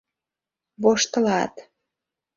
— Воштылат!